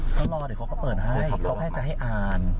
เขารอเดี๋ยวเขาก็เปิดให้เขาแค่จะให้อ่าน